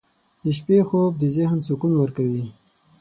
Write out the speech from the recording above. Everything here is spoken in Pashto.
• د شپې خوب د ذهن سکون ورکوي.